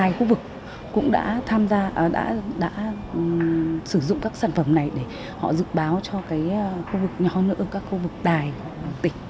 hai khu vực cũng đã sử dụng các sản phẩm này để họ dự báo cho các khu vực nhỏ nữa các khu vực tài tỉnh